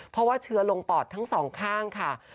เพราะว่าเชื้อลงปอดทั้งสองข้างค่ะ